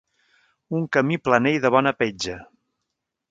Un camí planer i de bona petja.